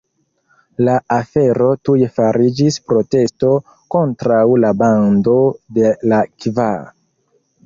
La afero tuj fariĝis protesto kontraŭ la Bando de la Kvar.